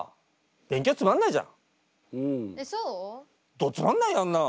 どつまんないよあんなん。